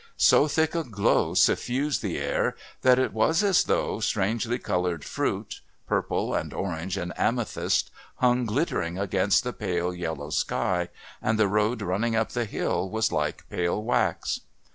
So thick a glow suffused the air that it was as though strangely coloured fruit, purple and orange and amethyst, hung glittering against the pale yellow sky, and the road running up the hill was like pale wax.